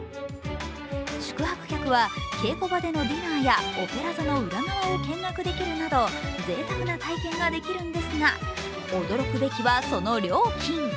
宿泊客は稽古場でのディナーやオペラ座の裏側を見学できるなどぜいたくな体験ができるんですが、驚くべきは、その料金。